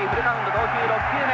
投球６球目。